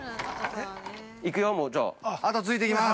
行くよ、もう、じゃあ。◆後ついていきます。